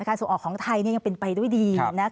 ส่งออกของไทยยังเป็นไปด้วยดี